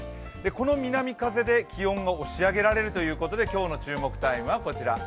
この南風で気温が押し上げられるということで今日の注目タイムはこちら。